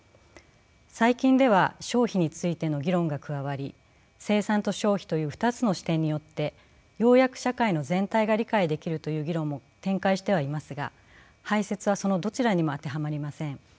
最近では消費についての議論が加わり生産と消費という２つの視点によってようやく社会の全体が理解できるという議論も展開してはいますが排泄はそのどちらにも当てはまりません。